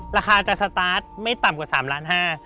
ราคาจะสตาร์ทไม่ต่ำกว่า๓๕๐๐๐๐๐บาท